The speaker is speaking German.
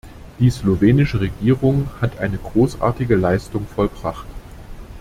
Die slowenische Regierung hat eine großartige Leistung vollbracht.